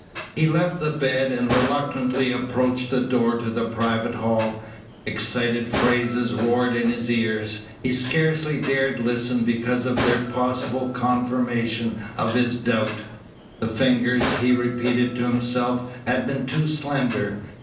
He left the bed and reluctantly approached the door to the private hall. Excited phrases roared in his ears. He scarcely dared listen because of their possible confirmation of his doubt. The fingers, he repeated to himself, had been too slender.